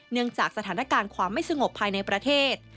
เนื่องจากสถานการณ์ความไม่สงบภายในประเทศ